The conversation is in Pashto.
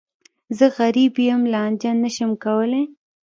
زه غریب یم، لانجه نه شم کولای.